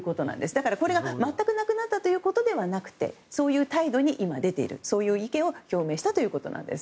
だから、これが全くなくなったというわけではなくそういう態度に今出ているそういう意見を表明したということです。